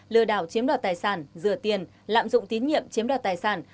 lừa đảo chiếm đoạt tài sản rửa tiền lạm dụng tín nhiệm chiếm đoạt tài sản